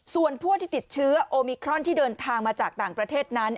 ส่วนผู้ที่ติดเชื้อโอมิครอนที่เดินทางมาจากต่างประเทศนั้น